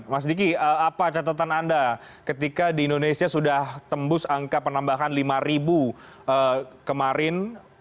mas diki apa catatan anda ketika di indonesia sudah tembus angka penambahan lima kemarin